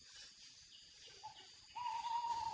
mau jadi kayak gini sih salah buat apa